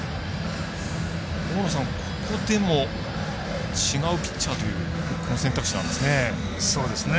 ここでも違うピッチャーという選択肢なんですね。